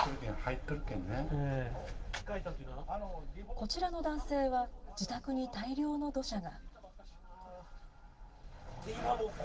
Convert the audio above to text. こちらの男性は自宅に大量の土砂が。